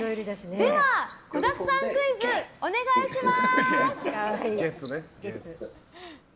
では子だくさんクイズお願いします！